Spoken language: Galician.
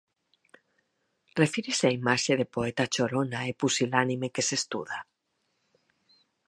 Refírese á imaxe de poeta chorona e pusilánime que se estuda?